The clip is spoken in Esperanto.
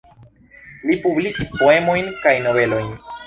Li publikis poemojn kaj novelojn.